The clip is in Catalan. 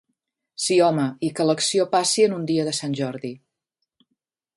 Sí home, i que l'acció passi en un dia de Sant Jordi.